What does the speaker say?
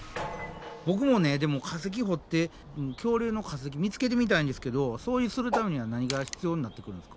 ボクもねでも化石掘って恐竜の化石見つけてみたいんですけどそうするためには何が必要になってくるんですか？